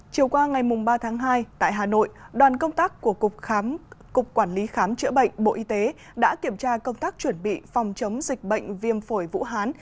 chiều qua ngày ba tháng hai tại hà nội đoàn công tác của cục quản lý khám chữa bệnh bộ y tế đã kiểm tra công tác chuẩn bị phòng chống dịch bệnh viêm phổi vũ hán